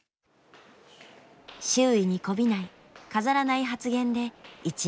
周囲にこびない飾らない発言で一躍時の人に。